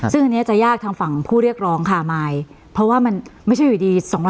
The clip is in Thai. ซึ่งอันนี้จะยากทางฝั่งผู้เรียกร้องค่ะมายเพราะว่ามันไม่ใช่อยู่ดี